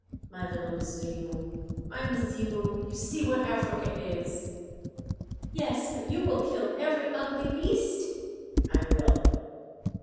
"My little Mzimu! My Mzimu! You see what Africa is." "Yes, but you will kill every ugly beast?" "I will."